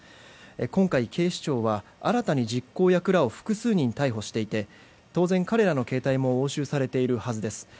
今回、警視庁は新たに実行役らを複数人逮捕していて当然、彼らの携帯も押収されているはずです。